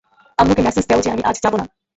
আম্মুকে মেসেজ দাও যে আমি আজ যাবো না।